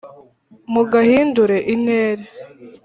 mugahindure intere